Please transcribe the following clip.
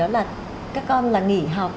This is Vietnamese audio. đó là các con là nghỉ học